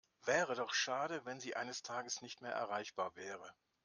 Wäre doch schade, wenn Sie eines Tages nicht mehr erreichbar wäre.